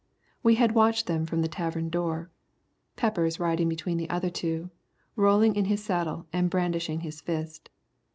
We had watched them from the tavern door, Peppers riding between the other two, rolling in his saddle and brandishing his fist.